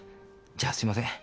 じゃあすいません。